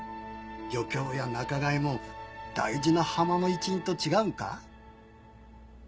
漁協や仲買も大事な浜の一員と違うんか？